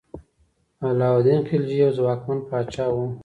علاء الدین خلجي یو ځواکمن پاچا و.